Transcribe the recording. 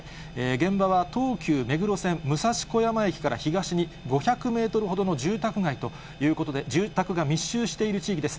現場は東急目黒線武蔵小山駅から東に５００メートルほどの住宅街ということで、住宅が密集している地域です。